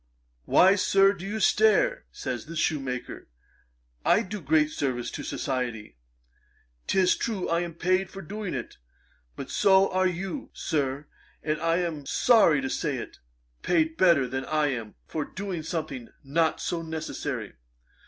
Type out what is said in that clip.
"Why, Sir, do you stare? (says the shoemaker,) I do great service to society. 'Tis true I am paid for doing it; but so are you, Sir: and I am sorry to say it, paid better than I am, for doing something not so necessary.